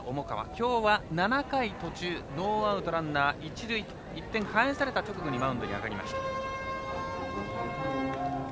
きょうは７回途中ノーアウトランナー、一塁と１点返された直後にマウンドに上がりました。